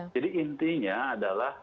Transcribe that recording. jadi intinya adalah